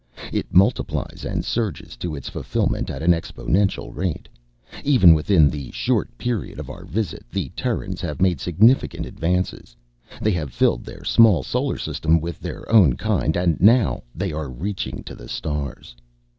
It multiplies and surges to its fulfillment at an exponential rate. Even within the short period of our visit the Terrans have made significant advances. They have filled their small solar system with their own kind and now they are reaching to the stars.